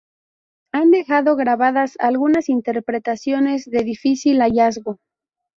Han dejado grabadas algunas interpretaciones de difícil hallazgo.